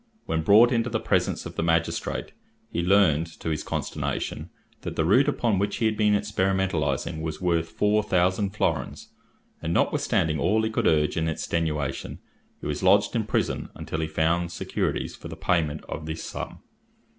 When brought into the presence of the magistrate, he learned, to his consternation, that the root upon which he had been experimentalising was worth four thousand florins; and, notwithstanding all he could urge in extenuation, he was lodged in prison until he found securities for the payment of this sum.